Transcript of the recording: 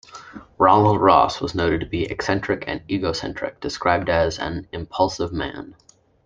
Ronald Ross was noted to be eccentric and egocentric, described as an "impulsive man".